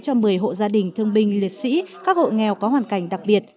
cho một mươi hộ gia đình thương binh liệt sĩ các hộ nghèo có hoàn cảnh đặc biệt